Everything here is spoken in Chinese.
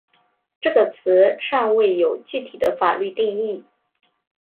这个词尚未有具体的法律定义。